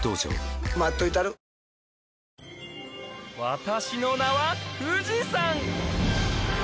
私の名は富士山